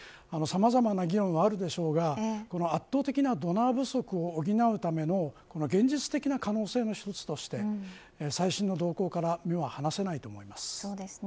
さまざまな議論はあるでしょうが圧倒的なドナー不足を補うための現実的な可能性の一つとして最新の動向から目は離せないと思います。